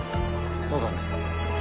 そうだね。